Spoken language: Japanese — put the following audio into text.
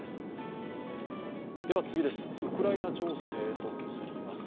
ウクライナ情勢へ移ります。